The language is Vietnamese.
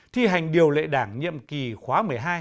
thi hành điều lệ đảng nhiệm kỳ khóa một mươi hai